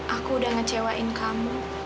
aku udah ngecewain kamu